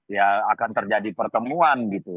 ya akan terjadi pertemuan gitu